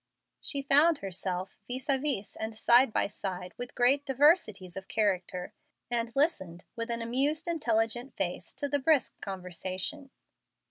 She found herself vis a vis and side by side with great diversities of character, and listened with an amused, intelligent face to the brisk conversation.